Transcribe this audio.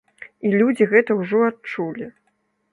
І людзі гэта ўжо адчулі.